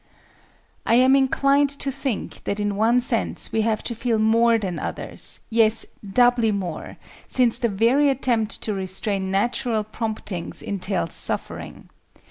I am inclined to think that in one sense we have to feel more than others—yes, doubly more—since the very attempt to restrain natural promptings entails suffering.